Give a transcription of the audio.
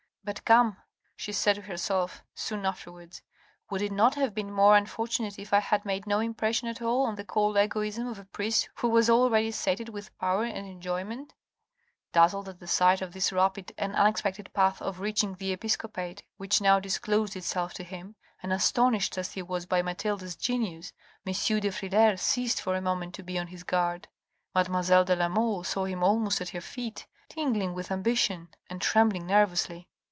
" But come," she said to herself soon after wards. " Would it not have been more unfortunate if I had made no impression at all on the cold egoism of a priest who was already sated with power and enjoyment ?" Dazzled at the sight of this rapid and unexpected path of reaching the episcopate which now disclosed itself to him, and astonished as he was by Mathilde's genius, M. de Frilair ceased for a moment to be on his guard. Mademoiselle de la Mole saw him almost at her feet, tingling with ambition, and trembling nervously.